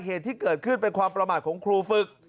เหตุที่เกิดขึ้นเป็นความประมาทของครูฝึก